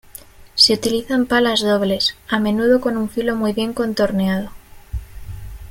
Se utilizan palas dobles, a menudo con un filo muy bien contorneado.